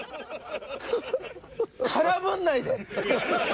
空振んないで。